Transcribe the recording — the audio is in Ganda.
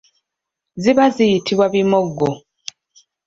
Ziba ziyitibwa bimoggo.